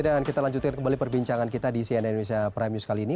dan kita lanjutkan kembali perbincangan kita di cnn indonesia prime news kali ini